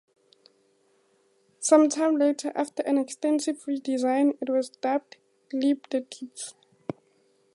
Some time later, after an extensive re-design, it was dubbed, "Leap The Dips".